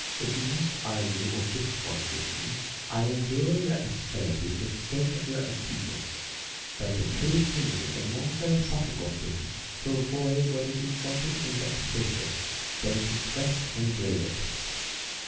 if you must argue or discourse with me, I will endure your asperity for the sake of your acute ness ; but it appears to mo a more philosophical thing to avoid what is insulting and vexatious, than to breast and brave it.